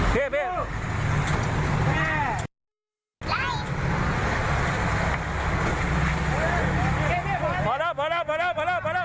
พอแล้ว